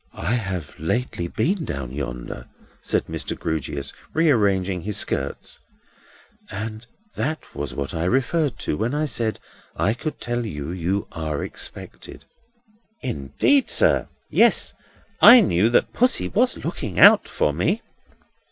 "I have lately been down yonder," said Mr. Grewgious, rearranging his skirts; "and that was what I referred to, when I said I could tell you you are expected." "Indeed, sir! Yes; I knew that Pussy was looking out for me."